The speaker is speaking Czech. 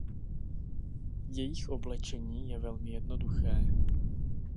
Jejich oblečení je velmi jednoduché.